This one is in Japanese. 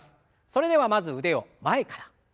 それではまず腕を前から。